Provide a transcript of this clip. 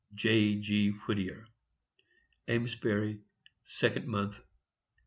J. G. WHITTIER. _Amesbury, Second. mo. 18th, 1852.